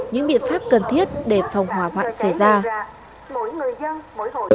những biện pháp cần thiết để phòng hỏa hoạn xảy ra